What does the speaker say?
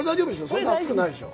それほど熱くないでしょ？